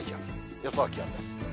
予想気温です。